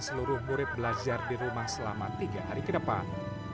seluruh murid belajar di rumah selama tiga hari ke depan